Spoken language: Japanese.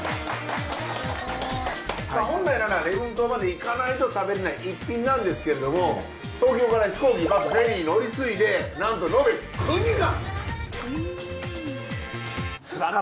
本来なら礼文島まで行かないと食べられない逸品なんですけれども東京から飛行機バスフェリー乗り継いでなんと延べ９時間！